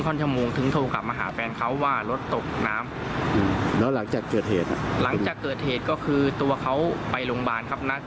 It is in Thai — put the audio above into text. ก็คือนานจริงเขาจะตอบทีหนึ่งครับ